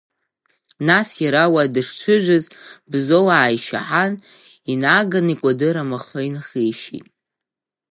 Нас иара уа дышҽыжәыз Бзоу ааишьаҳан, инаган икәадыр амаха инхишьит.